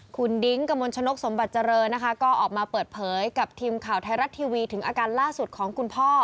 คุณดิ้งกระมวลชนกสมบัติเจริญนะคะก็ออกมาเปิดเผยกับทีมข่าวไทยรัฐทีวีถึงอาการล่าสุดของคุณพ่อ